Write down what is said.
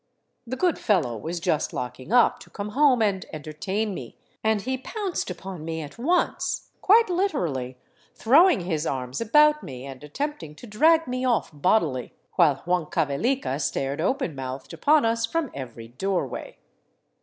The good fellow was just locking up to come home and entertain me, and he pounced upon me at once, quite literally, throwing his arms about me and attempting to drag me off bodily, while Huancavelica stared open mouthed upon us from every door way.